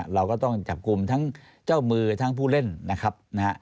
เราก็ต้องจับกลุ่มทั้งเจ้ามือทั้งผู้เล่นนะครับนะฮะ